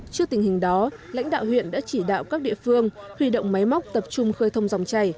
trước tình hình đó lãnh đạo huyện đã chỉ đạo các địa phương huy động máy móc tập trung khơi thông dòng chảy